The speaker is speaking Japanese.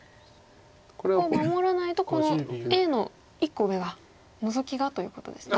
もう守らないとこのＡの１個上がノゾキがということですね。